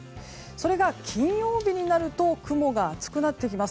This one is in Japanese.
それが金曜日になると雲が厚くなってきます。